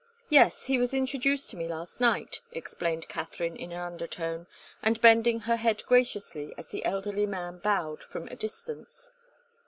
"Yes, he was introduced to me last night," explained Katharine in an undertone, and bending her head graciously as the elderly man bowed from a distance.